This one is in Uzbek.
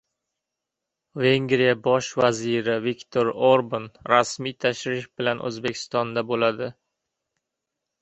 Vengriya Bosh vaziri Viktor Orban rasmiy tashrif bilan O‘zbekistonda bo‘ladi